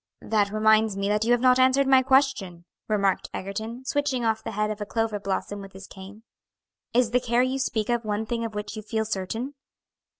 "That reminds me that you have not answered my question," remarked Egerton, switching off the head of a clover blossom with his cane. "Is the care you speak of one thing of which you feel certain?"